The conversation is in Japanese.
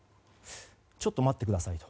ちょっと待ってくださいと。